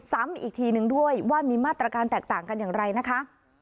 ซ้ำอีกทีนึงด้วยว่ามีมาตรการแตกต่างกันอย่างไรนะคะ